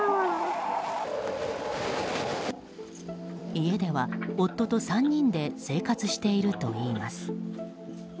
家では夫と３人で生活しているといいます。